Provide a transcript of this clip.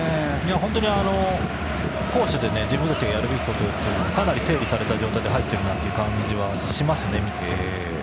本当に攻守で自分たちがやるべきことがかなり整理された状態で入っている感じがしますね。